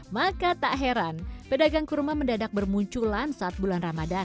maka tak heran pedagang kurma mendadak bermunculan saat bulan ramadan